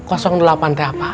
delapan itu apa